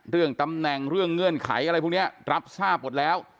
เรื่องตำแหน่งเรื่องเงื่อนไขอะไรพวกนี้รับทราบหมดแล้ว